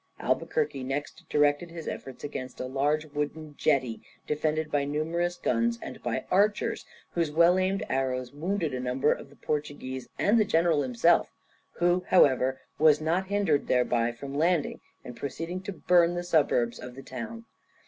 Albuquerque next directed his efforts against a large wooden jetty defended by numerous guns and by archers, whose well aimed arrows wounded a number of the Portuguese and the general himself, who, however, was not hindered thereby from landing and proceeding to burn the suburbs of the town.